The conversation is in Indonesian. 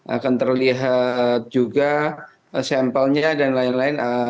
akan terlihat juga sampelnya dan lain lain